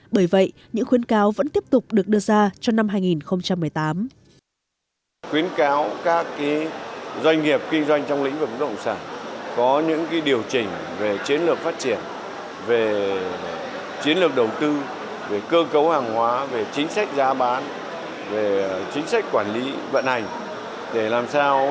bởi vậy những khuyến cáo vẫn tiếp tục được đưa ra cho năm hai nghìn một mươi tám